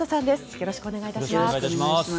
よろしくお願いします。